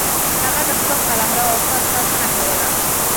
هغه د خپل قلمرو او خاورې ساتنه کوله.